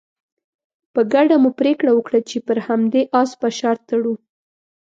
په ګډه مو پرېکړه وکړه چې پر همدې اس به شرط تړو.